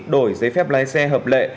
đổi giấy phép lái xe hợp lệ